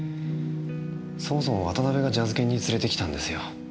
そもそも渡辺がジャズ研に連れてきたんですよ。